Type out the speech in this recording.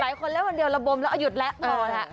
หลายคนแล้ววันเดียวระบมแล้วเอาหยุดแล้วพอแล้ว